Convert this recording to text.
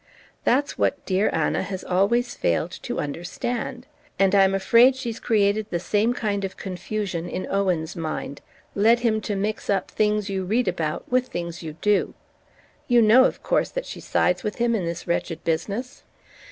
That's what dear Anna has always failed to understand. And I'm afraid she's created the same kind of confusion in Owen's mind led him to mix up things you read about with things you do...You know, of course, that she sides with him in this wretched business?"